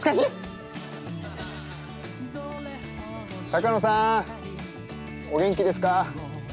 高野さんお元気ですか。